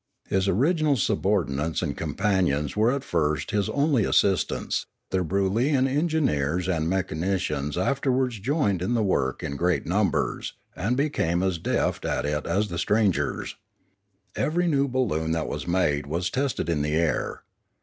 His original subordinates and companions were at first his only assistants, but the Broolyian engineers and mechanicians afterwards joined in the work in great numbers, and became as deft at it as the strangers. Every new balloon that was made was tested in the air.